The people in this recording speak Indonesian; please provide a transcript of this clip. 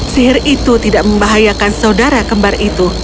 sihir itu tidak membahayakan saudara kembar itu